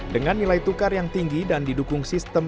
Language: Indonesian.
dengan nilai tukar yang tinggi dan didukung sistem